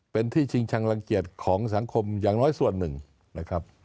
เป็นที่ชิงชังรังเกียจของสังคมอย่างน้อยส่วนหนึ่งนะครับ